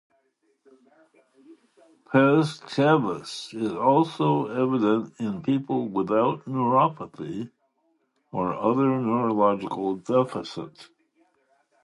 Pes cavus is also evident in people without neuropathy or other neurological deficit.